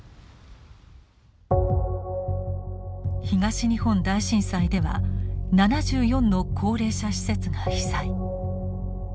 東日本大震災では７４の高齢者施設が被災。